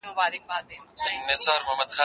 زه به اوږده موده د کتابتون کتابونه ولولم!؟